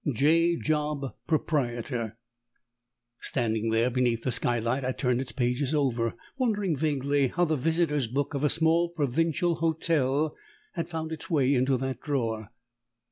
J. JOB, Proprietor. Standing there beneath the skylight I turned its pages over, wondering vaguely how the visitors' book of a small provincial hotel had found its way into that drawer.